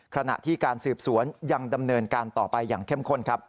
ขณะที่การสืบสวนยังดำเนินการต่อไปอย่างเข้มข้นครับ